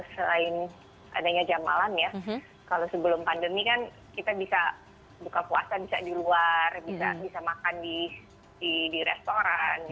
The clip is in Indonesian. selain adanya jam malam ya kalau sebelum pandemi kan kita bisa buka puasa bisa di luar bisa makan di restoran